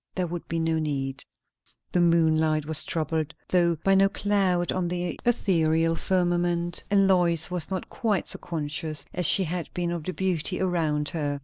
There would be no need. The moonlight was troubled, though by no cloud on the ethereal firmament; and Lois was not quite so conscious as she had been of the beauty around her.